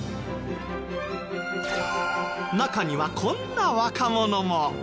中にはこんな若者も。